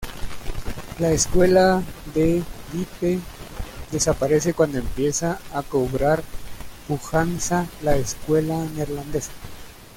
La escuela de Dieppe desaparece cuando empieza a cobrar pujanza la escuela neerlandesa.